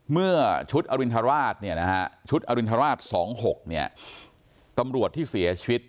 เมื่อชุดอรุณฑราช๒๖ตำรวจที่เสียชีวิต